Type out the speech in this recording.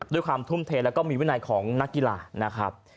ด้วยความทุ่มเทแล้วก็มีวินัยของนักกีฬานะครับ